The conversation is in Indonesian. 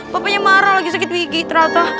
bapaknya marah lagi sakit wigih ternyata